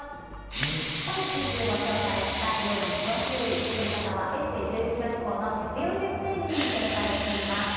本日ご紹介した料理の詳しい作り方は「ＥＳＳＥ」１１月号の１４０ページに掲載しています。